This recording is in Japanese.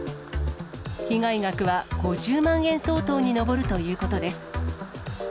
被害額は５０万円相当に上るということです。